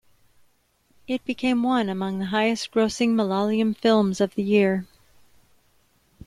It became one among the highest-grossing Malayalam films of the year.